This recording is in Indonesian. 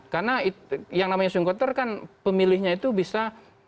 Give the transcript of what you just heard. karena yang namanya swing voter kan pemilihnya itu bisa